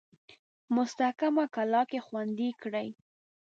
مستحکمه کلا کې خوندې کړي.